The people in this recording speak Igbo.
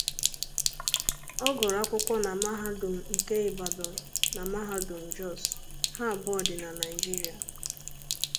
Ọ gụrụ akwụkwọ na Mahadum nke Ibadan na Mahadum Jos, ha abụọ dị na Naịjirịa.